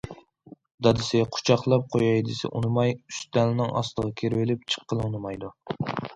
دادىسى قۇچاقلاپ قوياي دېسە ئۇنىماي، ئۈستەلنىڭ ئاستىغا كىرىۋېلىپ، چىققىلى ئۇنىمايدۇ.